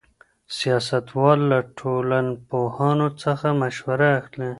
سیاستوال له ټولنپوهانو څخه مشوره اخلي.